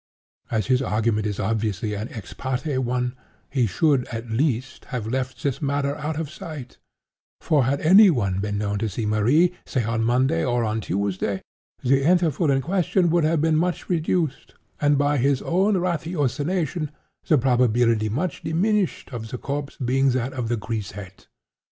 As his argument is obviously an ex parte one, he should, at least, have left this matter out of sight; for had any one been known to see Marie, say on Monday, or on Tuesday, the interval in question would have been much reduced, and, by his own ratiocination, the probability much diminished of the corpse being that of the grisette.